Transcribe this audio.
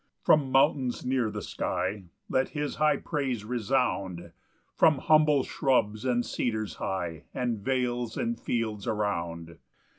8 From mountains near the sky Let his high praise resound, From humble shrubs and cedars high, And vales and fields around.